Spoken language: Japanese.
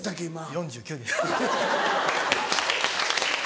４９です。